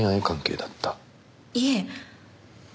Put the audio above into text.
いえ。